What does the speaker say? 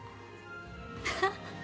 ハハッ。